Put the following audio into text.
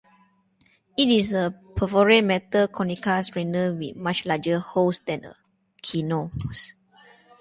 It is a perforated metal conical strainer with much larger holes than a chinois.